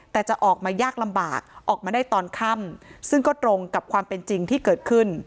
แต่จะออกมายากลำบากออกมาได้ตอนค่ำซึ่งก็ตรงกับความเป็นจริงที่เกิดขึ้น